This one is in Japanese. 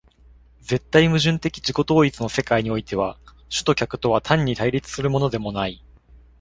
絶対矛盾的自己同一の世界においては、主と客とは単に対立するのでもない。